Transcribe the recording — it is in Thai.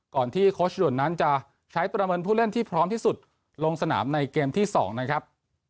ที่โค้ชด่วนนั้นจะใช้ประเมินผู้เล่นที่พร้อมที่สุดลงสนามในเกมที่๒นะครับ